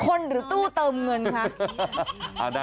หรือตู้เติมเงินคะ